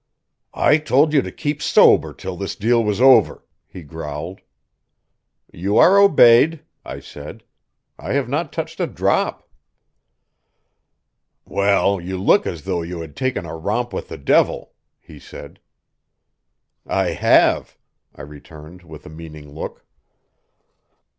"I told you to keep sober till this deal was over," he growled. "You are obeyed," I said. "I have not touched a drop." "Well, you look as though you had taken a romp with the devil," he said. "I have," I returned with a meaning look.